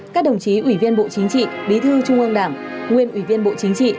các đồng chí ủy viên bộ chính trị bí thư trung ương đảng nguyên ủy viên bộ chính trị